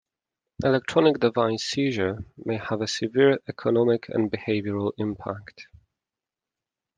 Electronic device seizure may have a severe economic and behavioral impact.